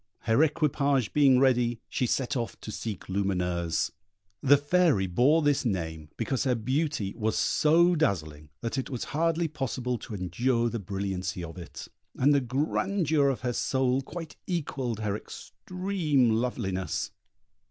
Her equipage being ready, she set off to seek Lumineuse. The Fairy bore this name because her beauty was so dazzling that it was hardly possible to endure the brilliancy of it, and the grandeur of her soul quite equalled her extreme loveliness.